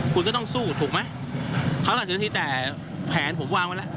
คุณก็ต้องสู้ถูกไหมเขาอาจจะมีแต่แผนผมวางไว้แล้ว